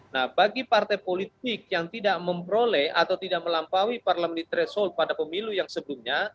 nah bagi partai politik yang tidak memperoleh atau tidak melampaui parliamentary threshold pada pemilu yang sebelumnya